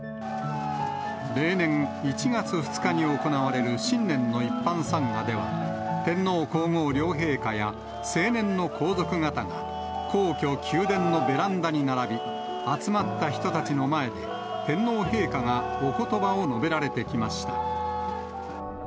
例年１月２日に行われる新年の一般参賀では、天皇皇后両陛下や成年の皇族方が、皇居・宮殿のベランダに並び、集まった人たちの前で天皇陛下がおことばを述べられてきました。